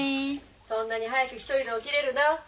そんなに早く一人で起きれるの？